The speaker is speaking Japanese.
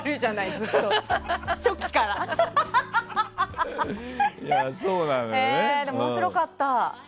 でも、面白かった。